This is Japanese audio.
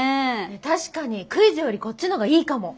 確かにクイズよりこっちのがいいかも。